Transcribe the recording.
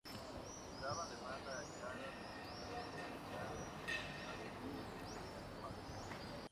Se esperaba además la llegada de un equipo de radar actualizado desde Pearl Harbor.